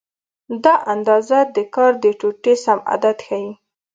دا اندازه د کار د ټوټې سم عدد ښیي.